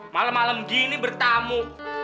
malem malem gini bertamu